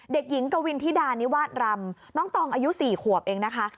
เด็กหญิงกวินธิดานิวาสรำน้องตองอายุ๔ขวบเองนะคะ